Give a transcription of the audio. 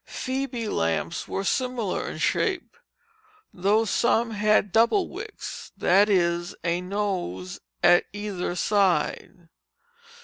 Phoebe lamps were similar in shape; though some had double wicks, that is, a nose at either side.